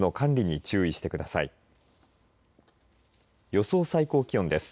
予想最低気温です。